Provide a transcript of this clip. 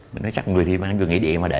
mình nói chắc người thì vừa nghỉ địa mà để